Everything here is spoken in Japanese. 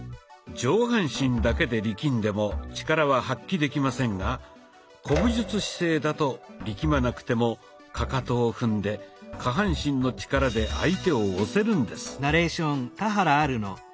上半身だけで力んでも力は発揮できませんが古武術姿勢だと力まなくてもかかとを踏んで下半身の力で相手を押せるんです。